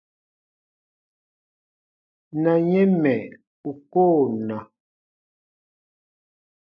Na yɛ̃ mɛ̀ u koo na.